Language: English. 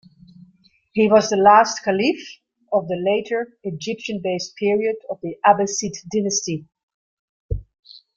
He was the last caliph of the later, Egyptian-based period of the Abbasid dynasty.